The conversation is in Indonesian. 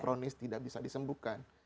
kronis tidak bisa disembuhkan